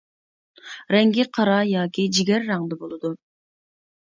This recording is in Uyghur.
رەڭگى قارا ياكى جىگەر رەڭدە بولىدۇ.